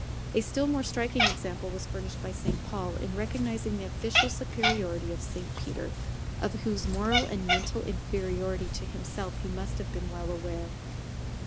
A still more striking example was furnished by St Paul in recognizing the official superiority of St Peter, of whose moral and mental inferiority to himself he must have been well aware.